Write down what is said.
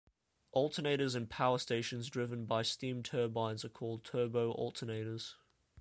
Alternators in power stations driven by steam turbines are called turbo-alternators.